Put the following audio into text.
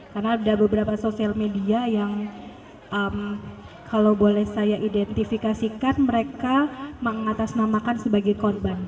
karena ada beberapa sosial media yang kalau boleh saya identifikasikan mereka mengatasnamakan sebagai korban